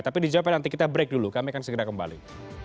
tapi dijawabkan nanti kita break dulu kami akan segera kembali